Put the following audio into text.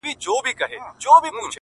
ه زيار دي دې سپين سترگې زمانې وخوړی